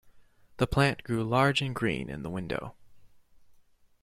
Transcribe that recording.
The plant grew large and green in the window.